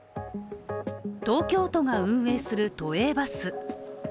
東京都が運営する都営バス。